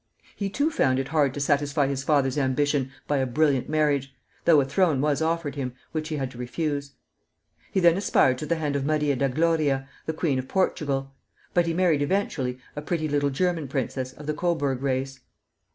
He too found it hard to satisfy his father's ambition by a brilliant marriage, though a throne was offered him, which he had to refuse. He then aspired to the hand of Maria da Gloria, the queen of Portugal; but he married eventually a pretty little German princess of the Coburg race.